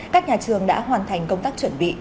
các nhà trường đã hoàn thành công tác chuẩn bị